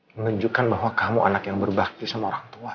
menunjukkan bahwa kamu anak yang berbakti sama orang tua